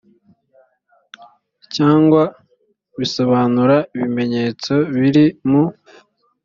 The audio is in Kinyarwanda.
cyangwa bisobanura ibimenyetso biri mu